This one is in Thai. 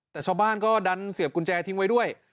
แต่ชาวบ้านก็ดันเสียบกุญแจทิ้งไว้ด้วย